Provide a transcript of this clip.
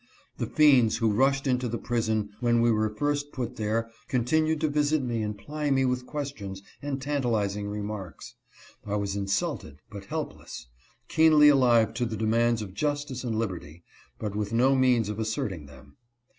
The fiends who rushed into the prison when we were first put there continued to visit me and ply me with questions and tantalizing remarks. I was insulted, but helpless ; keenly alive to the demands of justice and liberty, but with no means of asserting them.